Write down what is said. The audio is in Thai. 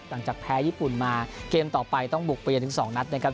หลังจากแพ้ญี่ปุ่นมาเกมต่อไปต้องบุกไปจนถึง๒นัดนะครับ